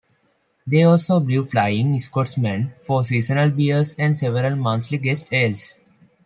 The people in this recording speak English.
They also brew Flying Scotsman, four seasonal beers and several monthly guest ales.